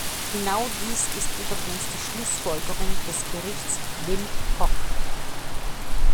Genau dies ist übrigens die Schlussfolgerung des Berichts Wim Kok.